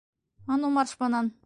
- А ну марш бынан!